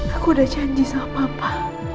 aku udah janji sama papa